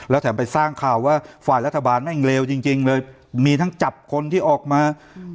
แล้วแถมไปสร้างข่าวว่าฝ่ายรัฐบาลแม่งเลวจริงจริงเลยมีทั้งจับคนที่ออกมาอืม